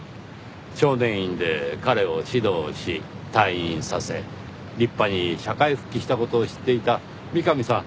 少年院で彼を指導し退院させ立派に社会復帰した事を知っていた三上さん